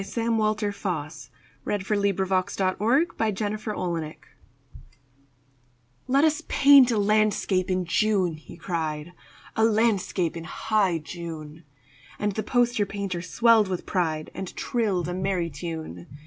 Sam Walter Foss The Poster Painter's Masterpiece "LET us paint a landscape in June," he cried; "A Landscape in high June." And the poster painter swelled with pride And trilled a merry tune.